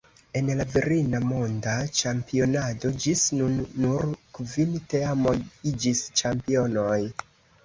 En la virina monda ĉampionado ĝis nun nur kvin teamoj iĝis ĉampionoj.